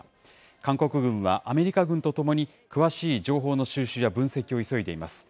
韓国軍はアメリカ軍とともに、詳しい情報の収集や分析を急いでいます。